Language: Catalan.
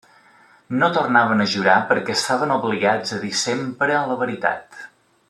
No tornaven a jurar perquè estaven obligats a dir sempre la veritat.